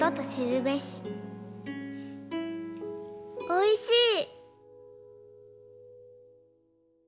おいしい！